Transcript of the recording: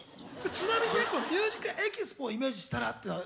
ちなみにこの「ＭＵＳＩＣＥＸＰＯ」をイメージしたらっていうのは？